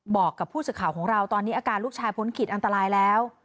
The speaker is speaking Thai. บอกกับผู้สื่อข่าวของเราตอนนี้อาการลูกชายพ้นขีดอันตรายแล้ว